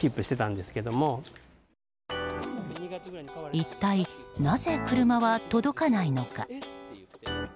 一体なぜ、車は届かないのか。